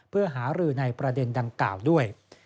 เพื่อหารือในประเด็นดังกล่าวด้วย